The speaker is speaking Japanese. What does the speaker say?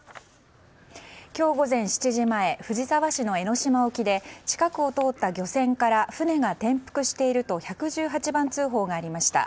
今日午前７時前藤沢市の江の島沖で近くを通った漁船から船が転覆していると１１８番通報がありました。